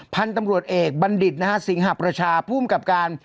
พันธุ์ตำรวจเอกบัณฑิตนะฮะสิงหประชาภูมิกับการ